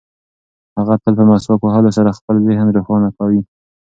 هغه تل په مسواک وهلو سره خپل ذهن روښانه کوي.